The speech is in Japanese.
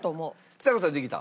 ちさ子さんできた？